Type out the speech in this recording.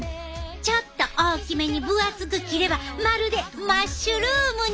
ちょっと大きめに分厚く切ればまるでマッシュルームに。